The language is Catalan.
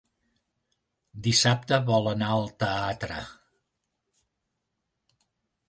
Dissabte vol anar al teatre.